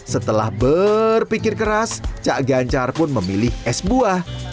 setelah berpikir keras cak ganjar pun memilih es buah